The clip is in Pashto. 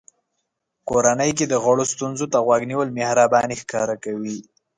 کورنۍ کې د غړو ستونزو ته غوږ نیول مهرباني ښکاره کوي.